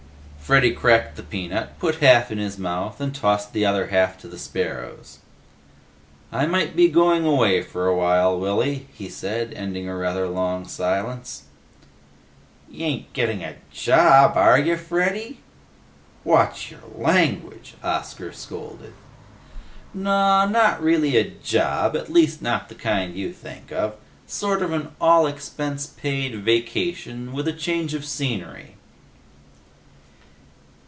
Freddy cracked the peanut, put half in his mouth and tossed the other half to the sparrows. "I might be going away for a while, Willy," he said, ending a rather long silence. "You ain't gettin' a job, are ya Freddy?" "Watch yer language," Oscar scolded. "Naw, not really a job. At least not the kind you think of. Sort of an all expense paid vacation, with a change of scenery."